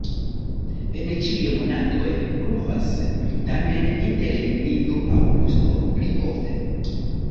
En ĉiuj monatoj pluvas, tamen inter junio-aŭgusto pli ofte.